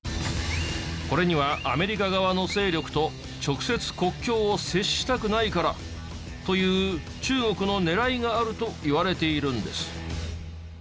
これにはアメリカ側の勢力と直接国境を接したくないからという中国の狙いがあるといわれているんです。